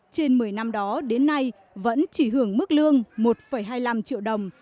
trên một mươi năm đó đến nay vẫn chỉ hưởng mức lương một hai mươi năm triệu đồng